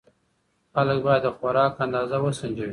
خلک باید د خوراک اندازه وسنجوي.